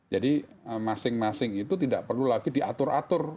jadi masing masing itu tidak perlu lagi diatur atur